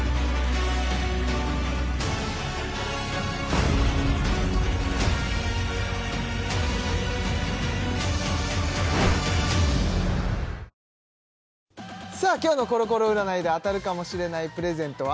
ニトリさあ今日のコロコロ占いで当たるかもしれないプレゼントは？